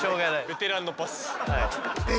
ベテランのパス。